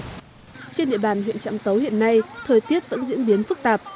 trên địa bàn huyện trạm tấu hiện nay thời tiết vẫn diễn biến phức tạp